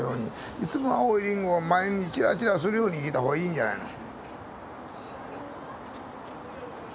いつも青いりんごが前にチラチラするように生きた方がいいんじゃないの。